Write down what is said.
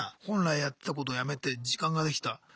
本来やってたことをやめて時間ができた。